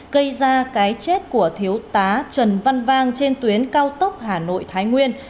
gây ra cái chết của thiếu tá trần văn vang trên tuyến cao tốc hà nội thái nguyên